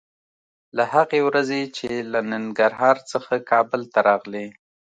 د هغې ورځې چې له ننګرهار څخه کابل ته راغلې